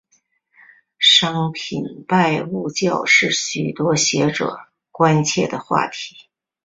商品拜物教是许多学者关切的课题。